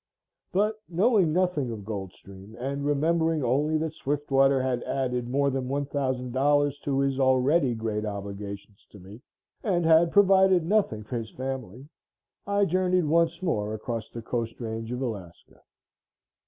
But, knowing nothing of Gold Stream, and remembering only that Swiftwater had added more than $1,000 to his already great obligations to me, and had provided nothing for his family, I journeyed once more across the Coast Range of Alaska.